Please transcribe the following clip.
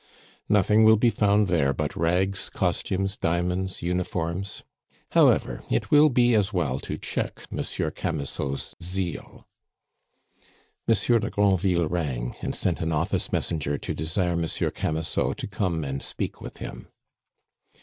"Nothing will be found there but rags, costumes, diamonds, uniforms However, it will be as well to check Monsieur Camusot's zeal." Monsieur de Granville rang, and sent an office messenger to desire Monsieur Camusot to come and speak with him.